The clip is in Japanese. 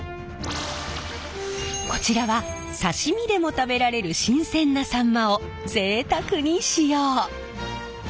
こちらは刺身でも食べられる新鮮なさんまをぜいたくに使用。